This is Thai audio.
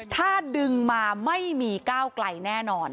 ถ้าดึงมาไม่มีก้าวไกลแน่นอน